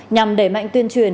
nhằm đẩy mạnh tuyên truyền